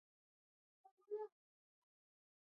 مالک په بزګر باندې په بې رحمانه ډول کار کوي